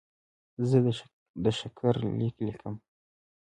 زه د شکر لیک لیکم.